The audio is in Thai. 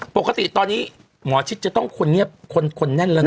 ปกติตอนนี้หมอชิดจะต้องคนเงียบคนแน่นแล้วนะ